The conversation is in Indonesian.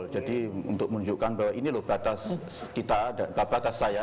jadi untuk menunjukkan bahwa ini loh batas kita batas saya